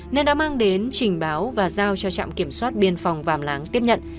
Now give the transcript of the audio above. nên đã mang đến trình báo và giao cho trạm kiểm soát biên phòng vàm láng tiếp nhận